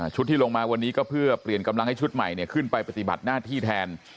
ที่ลงมาวันนี้ก็เพื่อเปลี่ยนกำลังให้ชุดใหม่ขึ้นไปปฏิบัติหน้าที่แทน